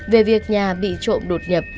về việc nhà bị trộm đột nhập